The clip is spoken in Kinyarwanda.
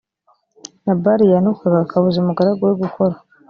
nabali yantukaga akabuza umugaragu we gukora